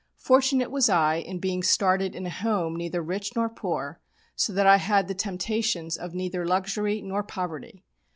Fortunate was I in being started in a home neither rich nor poor, so that I had the temptations of neither luxury nor poverty.